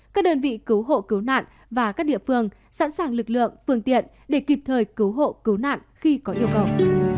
các đơn vị cứu hộ cứu nạn và các địa phương sẵn sàng lực lượng phương tiện để kịp thời cứu hộ cứu nạn khi có yêu cầu